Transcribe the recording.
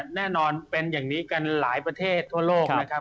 แน่นอนเป็นอย่างนี้กันหลายประเทศทั่วโลกนะครับ